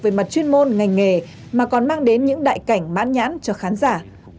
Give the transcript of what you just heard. về mặt chuyên môn ngành nghề mà còn mang đến những đại cảnh mãn nhãn cho khán giả